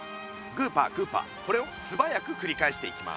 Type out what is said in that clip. グーパーグーパーこれをすばやくくりかえしていきます。